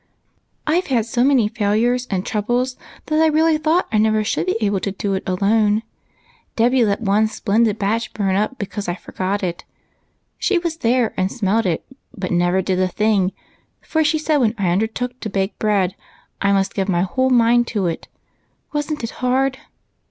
"I've had so many failures and troubles that I really thought I never should be able to do it alone. Dolly let one splendid batch burn up because I forgot it. She was there and smelt it, but never did a thing, for she said, when I undertook to bake bread I must give my whole mind to it. Wasn't it hard?